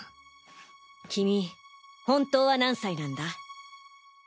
君本当は何歳なんだ？